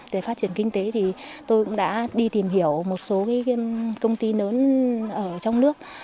để phát triển kinh tế thì tôi cũng đã đi tìm hiểu một số công ty lớn ở trong nước